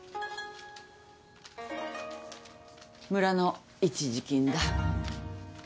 村の一時金だ。